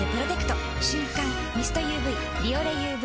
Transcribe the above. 瞬感ミストＵＶ「ビオレＵＶ」